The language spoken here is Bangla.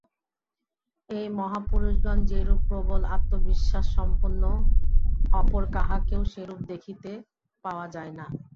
এই মহাপুরুষগণ যেরূপ প্রবল আত্মবিশ্বাসসম্পন্ন, অপর কাহাকেও সেরূপ দেখিতে পাওয়া যায় না।